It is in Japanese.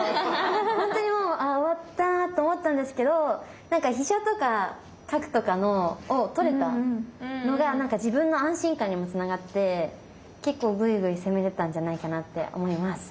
ほんとにもうああ終わったと思ったんですけど飛車とか角とかを取れたのが自分の安心感にもつながって結構ぐいぐい攻めれたんじゃないかなって思います。